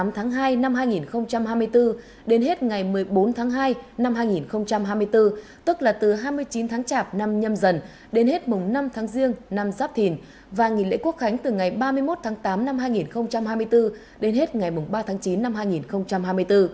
một mươi tháng hai năm hai nghìn hai mươi bốn đến hết ngày một mươi bốn tháng hai năm hai nghìn hai mươi bốn tức là từ hai mươi chín tháng chạp năm nhâm dần đến hết mùng năm tháng riêng năm giáp thìn và nghỉ lễ quốc khánh từ ngày ba mươi một tháng tám năm hai nghìn hai mươi bốn đến hết ngày ba tháng chín năm hai nghìn hai mươi bốn